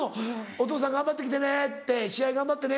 「お父さん頑張って来てね試合頑張ってね」